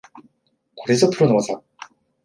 これぞプロの技